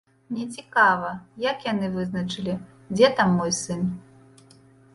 Мне цікава, як яны вызначылі, дзе там мой сын.